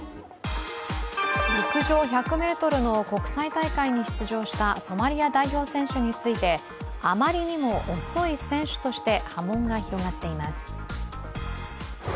陸上１００ｍの国際大会に出場したソマリア代表選手について、あまりにも遅い選手として波紋が広がっています。